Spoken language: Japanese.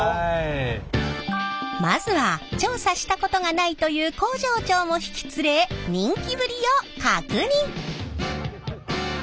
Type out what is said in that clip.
まずは調査したことがないという工場長も引き連れ人気ぶりを確認！